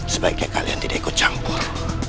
sebaiknya kalian tidak ikut campur